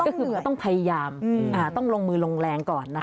ก็คือก็ต้องพยายามต้องลงมือลงแรงก่อน